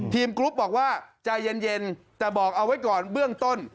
กรุ๊ปบอกว่าใจเย็นแต่บอกเอาไว้ก่อนเบื้องต้น